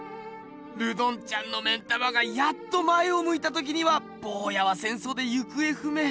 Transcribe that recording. ルドンちゃんの目ん玉がやっと前をむいた時にはぼうやは戦争で行方不明。